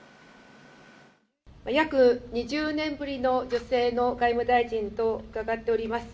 約２０年ぶりの女性の外務大臣と伺っております。